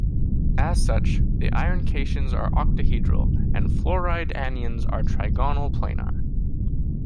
As such, the iron cations are octahedral and fluoride anions are trigonal planar.